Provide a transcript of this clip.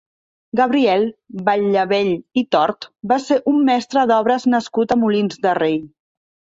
Gabriel Batllevell i Tort va ser un mestre d'obres nascut a Molins de Rei.